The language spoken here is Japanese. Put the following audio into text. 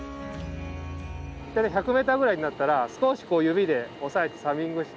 大体１００ｍくらいになったら少し指で押さえてサミングして。